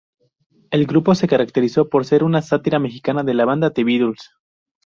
El grupo se caracterizó por ser una sátira mexicana de la banda The Beatles.